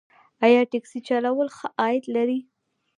آیا ټکسي چلول ښه عاید لري؟